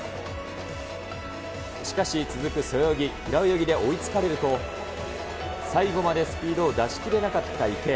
しかし、続く背泳ぎ、平泳ぎで追いつかれると、最後までスピードを出し切れなかった池江。